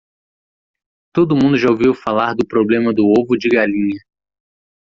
Todo mundo já ouviu falar do problema do ovo de galinha.